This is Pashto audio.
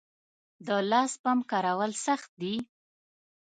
د لاس پمپ کارول سخت دي؟